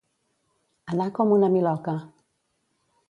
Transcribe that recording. Anar com una miloca.